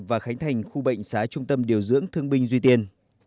và khánh thành khu bệnh xá trung tâm điều dưỡng thương binh duy tiên